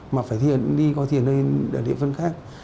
mà phải đi coi thi ở địa phương khác